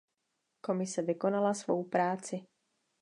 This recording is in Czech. Komise vykonala svou práci.